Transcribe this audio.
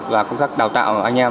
và công tác đào tạo của anh em